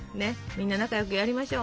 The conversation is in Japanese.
みんな仲良くやりましょう。